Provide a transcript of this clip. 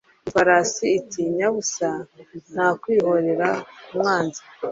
ifarasi iti nyabusa nta kwihorera ku mwanzi